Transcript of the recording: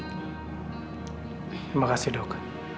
terima kasih dok